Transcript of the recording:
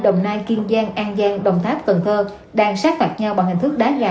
đồng nai kiên giang an giang đồng tháp cần thơ đang sát phạt nhau bằng hình thức đá gà